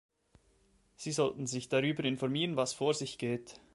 Sie sollten sich darüber informieren, was vor sich geht.